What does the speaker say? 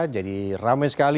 jadi ramai sekali